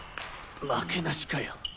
負けなしかよ。